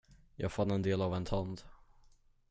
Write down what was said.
Jag fann en del av en tand.